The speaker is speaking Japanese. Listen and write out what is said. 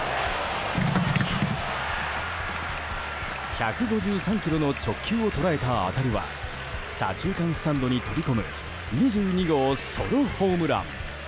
１５３キロの直球を捉えた当たりは左中間スタンドに飛び込む２２号ソロホームラン。